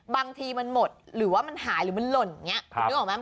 มันมีหลายสีครับ